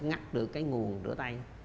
ngắt được cái nguồn rửa tay